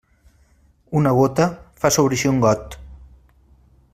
Una gota fa sobreeixir un got.